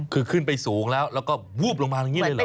คือขึ้นไปสูงแล้วแล้วก็วูบลงมาอย่างนี้เลยเห